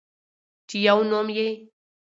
چې يو نوم يې